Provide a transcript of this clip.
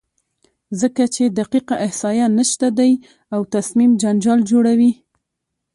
ځکه چې دقیقه احصایه نشته دی او تصمیم جنجال جوړوي،